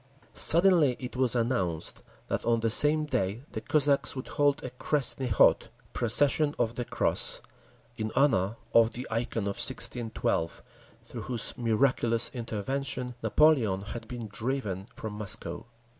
Suddenly it was announced that on the same day the Cossacks would hold a Krestny Khod—Procession of the Cross—in honour of the Ikon of 1612, through whose miraculous intervention Napoleon had been driven from Moscow.